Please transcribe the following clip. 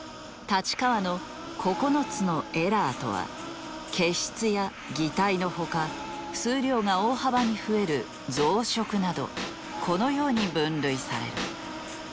太刀川の９つのエラーとは欠失や擬態の他数量が大幅に増える増殖などこのように分類される。